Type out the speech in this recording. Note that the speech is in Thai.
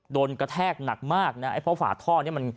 โดนกระแทกหนักมากนะไอ้เพราะฝาท่อนี้มัน